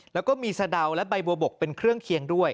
แล้วก็มีสะดาวและใบบัวบกเป็นเครื่องเคียงด้วย